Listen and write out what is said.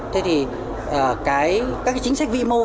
thế thì các chính sách vĩ mô